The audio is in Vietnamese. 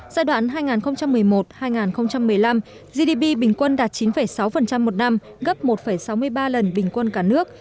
giai đoạn hai nghìn một mươi một hai nghìn một mươi năm gdp bình quân đạt chín sáu một năm gấp một sáu mươi ba lần bình quân cả nước